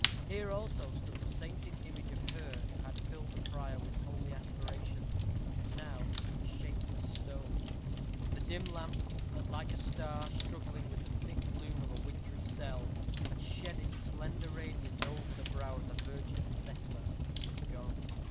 Here also stood the sainted image of her who had filled the prior with holy aspirations, now a shapeless stone. The dim lamp, that, like a star struggling with the thick gloom of a wintry cell, had shed its slender radiance over the brow of the Virgin Thecla, was gone.